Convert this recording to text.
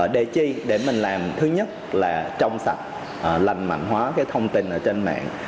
để chi để mình làm thứ nhất là trong sạch lành mạnh hóa thông tin trên mạng